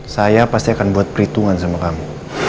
saya pasti akan buat perhitungan sama kamu